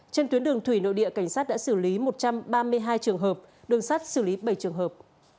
trên tuyến đường thủy nội địa cảnh sát đã xử lý một trăm ba mươi hai trường hợp đường sắt xử lý bảy trường hợp